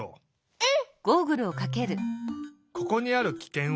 うん。